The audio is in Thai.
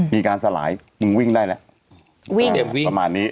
มีการสลายมึงวิ่งได้แล้วสมัยนี้